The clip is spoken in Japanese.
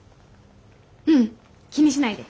ううん気にしないで。